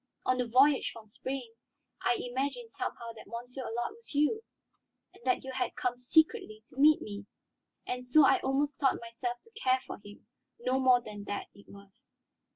On the voyage from Spain, I imagined somehow that Monsieur Allard was you, that you had come secretly to meet me, and so I almost taught myself to care for him. No more than that it was."